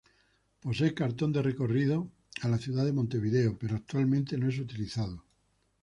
Posee cartón de recorrido a la ciudad de Montevideo, pero actualmente no es utilizado.